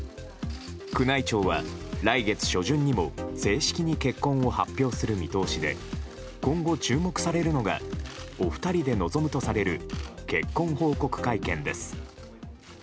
宮内庁は来月初旬にも正式に結婚を発表する見通しで今後、注目されるのがお二人で臨むとされる結婚報告会見です。